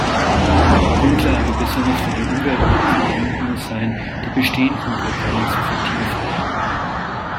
Grundlage besonders für die Umweltmaßnahmen muss sein, die bestehenden Programme zu vertiefen.